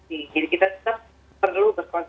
jadi kita tetep perlu berhati hati